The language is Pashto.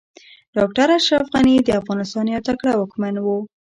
ډاکټر اشرف غني د افغانستان يو تکړه واکمن و